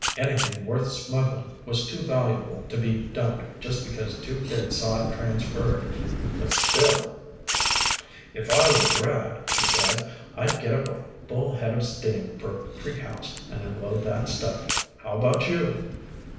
Anything worth smuggling was too valuable to be dumped just because two kids saw it transferred. But still ... "If I were Brad," he said, "I'd get up a full head of steam for Creek House and unload that stuff. How about you?"